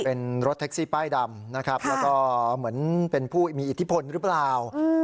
เป็นรถแท็กซี่ป้ายดำนะครับแล้วก็เหมือนเป็นผู้มีอิทธิพลหรือเปล่า